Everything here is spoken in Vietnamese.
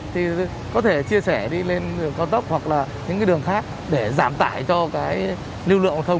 thì có thể chia sẻ đi lên đường cao tốc hoặc là những cái đường khác để giảm tải cho cái lưu lượng hàng không